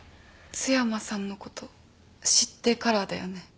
津山さんのこと知ってからだよね。